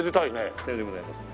左様でございます。